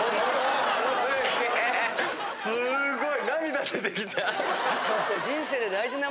すごい！